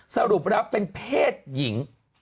สรุปดับเป็นเพศหญิง